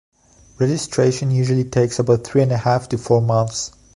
Registration usually takes about three and a half to four months.